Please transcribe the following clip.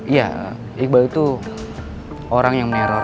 iya iqbal itu orang yang meneror